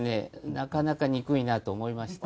なかなか憎いなと思いました。